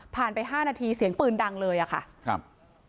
ไปห้านาทีเสียงปืนดังเลยอะค่ะครับ